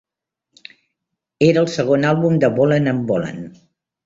Era el segon àlbum de Bolland and Bolland.